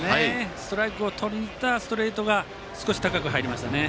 ストライクをとりにいったらストレートが少し高く入りました。